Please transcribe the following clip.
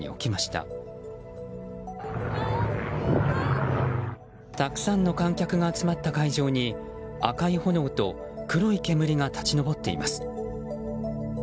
たくさんの観客が集まった会場に赤い炎と黒い煙が立ち上っています。